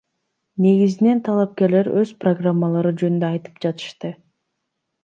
Негизинен талапкерлер өз программалары жөнүндө айтып жатышты.